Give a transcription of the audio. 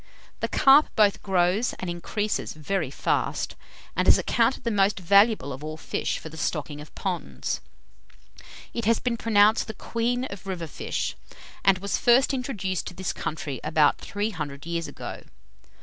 The carp both grows and increases very fast, and is accounted the most valuable of all fish for the stocking of ponds. It has been pronounced the queen of river fish, and was first introduced to this country about three hundred years ago.